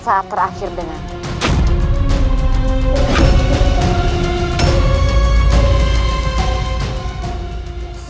sebelum kita berpisah